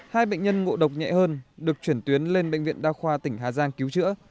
hai bệnh nhân ngộ độc nhẹ hơn được chuyển tuyến lên bệnh viện đa khoa tỉnh hà giang cứu chữa